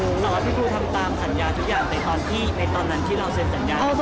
หรอพี่ปูทำตามสัญญาทุกอย่างในตอนที่ในตอนนั้นที่เราเซ็นสัญญา